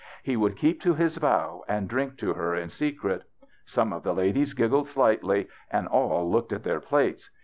He would keep to his vow and drink to her in secret. Some of the ladies giggled slightly, and all looked at their plates.